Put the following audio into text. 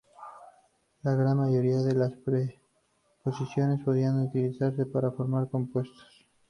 La gran mayoría de las preposiciones podían utilizarse para formar compuestos.